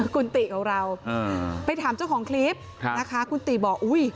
คุณติของเราไปถามเจ้าของคลิปนะคะคุณติบอกอุ้ย